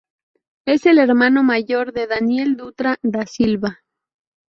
Es el hermano mayor de Daniel Dutra da Silva.